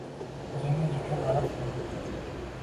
O'zingiz uchun aniq bo'ling